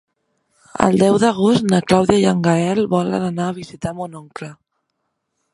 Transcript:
El deu d'agost na Clàudia i en Gaël volen anar a visitar mon oncle.